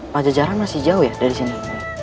pajajaran masih jauh ya dari sini